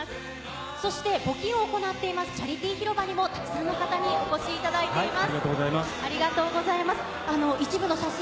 そして、募金を行っています、チャリティー広場にも、たくさんの方にお越しいただいています。